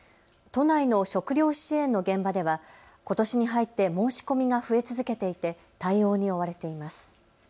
都内の食料支援の現場ではことしに入って申し込みが増え続けていて対応に追われています。